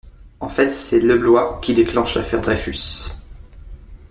En fait c'est Leblois qui déclenche 'l'affaire Dreyfus'.